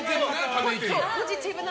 ポジティブな。